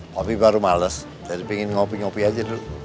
kopi baru males jadi pengen ngopi ngopi aja dulu